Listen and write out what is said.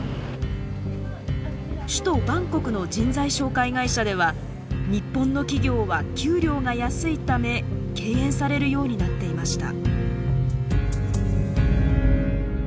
首都バンコクの人材紹介会社では日本の企業は「給与が安い」ため敬遠されるようになっていました。